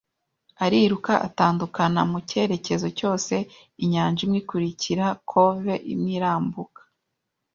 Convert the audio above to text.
ariruka, atandukana mu cyerekezo cyose, inyanja imwe ikurikira cove, imwe irambuka